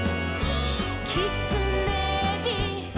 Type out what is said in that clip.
「きつねび」「」